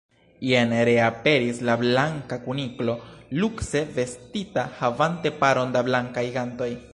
Jen reaperis la Blanka Kuniklo lukse vestita, havante paron da blankaj gantoj.